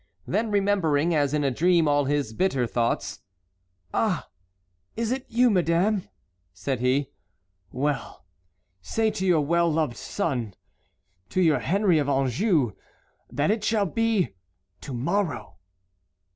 Then remembering as in a dream all his bitter thoughts: "Ah! is it you, madame?" said he. "Well, say to your well loved son, to your Henry of Anjou, that it shall be to morrow."